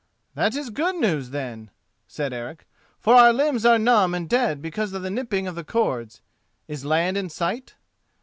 "That is good news, then," said Eric, "for our limbs are numb and dead because of the nipping of the cords. Is land in sight?"